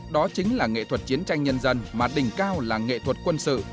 đó chính là nghệ thuật chiến tranh nhân dân mà đỉnh cao là nghệ thuật quân sự